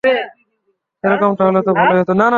সেরকমটা হলে তো ভালোই হতো।